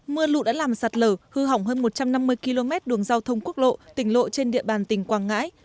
mưa lụt đã làm sạt lở hư hỏng hơn một trăm năm mươi km đường giao thông quốc lộ tỉnh lộ trên địa bàn tỉnh quảng ngãi